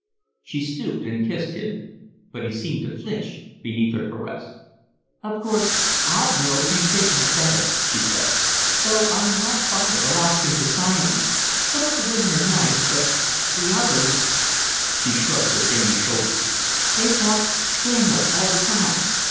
She stooped and kissed him; but he seemed to flinch beneath her caress. "Of course I'll go if you think I'd better," she said, "though I'm not fond of Alaskan society. Some of the women are nice, but the others " She shrugged her dainty shoulders. "They talk scandal all the time.